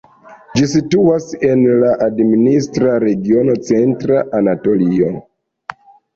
Ĝi situas en la administra regiono Centra Anatolio.